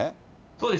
そうです。